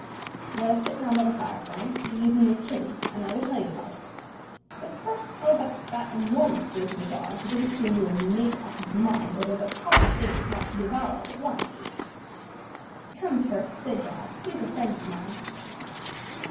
"Let us sit down by the fire, Frank, for the evening is chilly, and then I will tell you all about it. But first, how about that enormous brute of a dog, who doesn't seem to have made up his mind whether the proper thing is not to devour us at once." "Come, Turk, good dog, these are friends of mine."